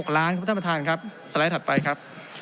ล้านครับท่านประธานครับสไลด์ถัดไปครับ